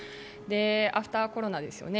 アフター・コロナですよね